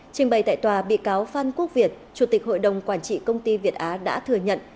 trình bày tại tòa bị cáo phan quốc việt chủ tịch hội đồng quản trị công ty việt á đã thừa nhận